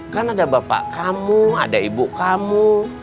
kan ada bapak kamu ada ibu kamu